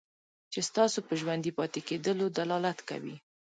چې ستاسو په ژوندي پاتې کېدلو دلالت کوي.